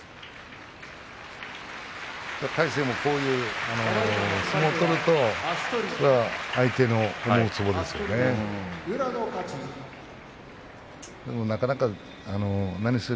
魁聖もこういう相撲を取ると相手の思うつぼなんですよ。